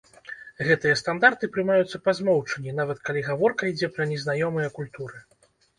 Гэтыя стандарты прымаюцца па змоўчанні, нават калі гаворка ідзе пра незнаёмыя культуры.